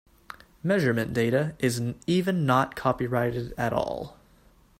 Measurement data is even not copyrighted at all.